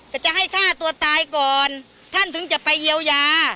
แต่จะให้ฆ่าตัวตายก่อนท่านถึงจะไปเยียวยา